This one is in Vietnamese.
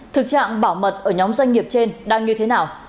thực trạng bảo mật ở nhóm doanh nghiệp trên đang như thế nào